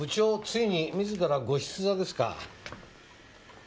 ついに自らご出座ですか。